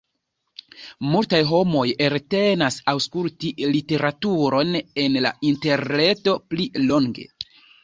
Malmultaj homoj eltenas aŭskulti literaturon en la interreto pli longe.